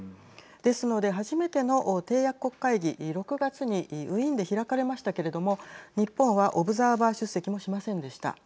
ですので、初めての締約国会議６月にウィーンで開かれましたけれども日本は、オブザーバー出席もしませんでした。